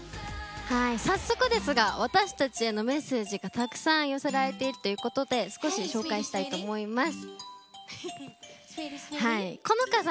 早速ですが私たちへのメッセージがたくさん寄せられているということで少し紹介したいと思います。